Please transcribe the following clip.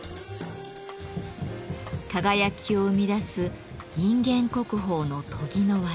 輝きを生み出す人間国宝の研ぎの技。